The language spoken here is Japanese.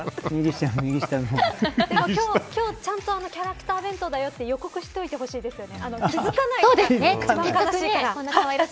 今日ちゃんとキャラクター弁当だよと予告してほしいですよね。